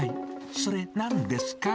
それ、なんですか？